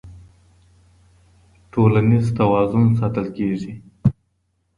ټولنيز توازن ساتل کيږي.